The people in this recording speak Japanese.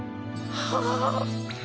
はあ。